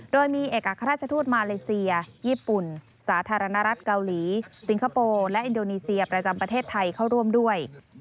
โดยมีเอกอัครราชทูตมาเลเซียญี่ปุ่นสาธารณรัฐเกาหลีสิงคโปร์และอินโดนีเซียประจำประเทศไทยเข้าร่วมด้วย